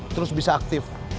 terus bisa aku